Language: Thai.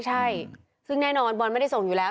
ใช่ซึ่งแน่นอนบอลไม่ได้ส่งอยู่แล้ว